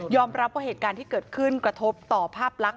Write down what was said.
รับว่าเหตุการณ์ที่เกิดขึ้นกระทบต่อภาพลักษณ